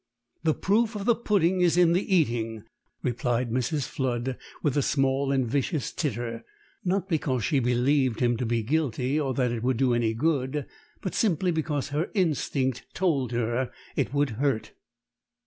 "The proof of the pudding is in the eating," replied Mrs. Flood, with a small and vicious titter; not because she believed him to be guilty or that it would do any good, but simply because her instinct told her it would hurt.